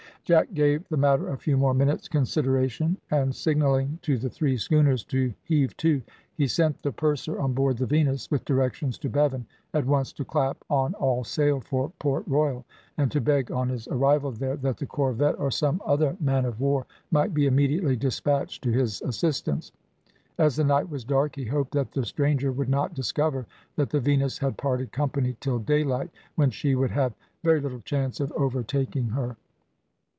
Jack gave the matter a few more minutes' consideration, and, signalling to the three schooners to heave to, he sent the purser on board the Venus, with directions to Bevan at once to clap on all sail for Port Royal, and to beg on his arrival there that the corvette, or some other man of war, might be immediately despatched to his assistance. As the night was dark he hoped that the stranger would not discover that the Venus had parted company till daylight, when she would have very little chance of overtaking her.